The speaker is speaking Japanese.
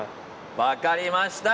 分かりました。